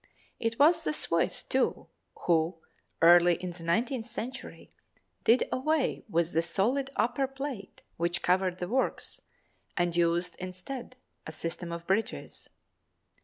It was the Swiss, too, who, early in the nineteenth century, did away with the solid upper plate which covered the works and used, instead, a system of bridges.